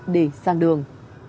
để sang đường